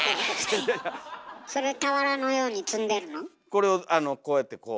これをあのこうやってこう。